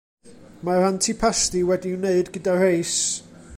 Mae'r antipasti wedi'i wneud gyda reis.